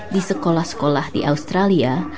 di sekolah sekolah di australia